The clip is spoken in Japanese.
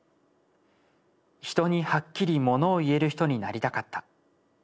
「人にハッキリ物を言える人になりたかった。